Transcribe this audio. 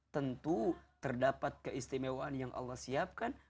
tentu terdapat keistimewaan yang allah siapkan